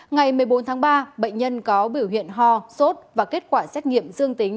ngày một mươi bốn tháng ba bệnh nhân có biểu hiện ho sốt và kết quả xét nghiệm dương tính